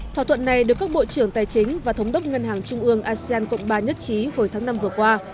thỏa thuận này được các bộ trưởng tài chính và thống đốc ngân hàng trung ương asean cộng ba nhất trí hồi tháng năm vừa qua